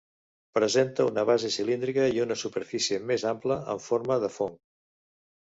Presenta una base cilíndrica i una superfície més ampla, amb forma de fong.